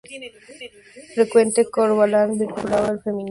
Frecuentemente, Corvalán vinculaba al feminismo con la causa obrera.